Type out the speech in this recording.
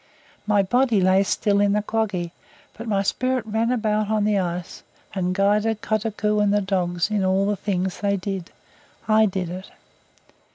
My body lay still in the quaggi, but my spirit ran about on the ice, and guided Kotuko and the dogs in all the things they did. I did it."